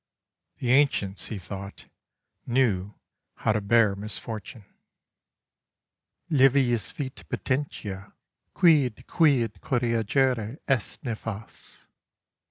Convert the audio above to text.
The ancients, he thought, knew how to bear misfortune. Levius fit patientia Quidquid corrigere est nefas.